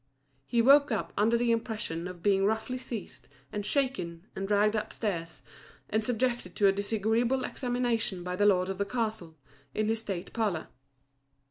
He woke up under the impression of being roughly seized, and shaken, and dragged upstairs, and subjected to a disagreeable examination by the lord of the castle, in his state parlour.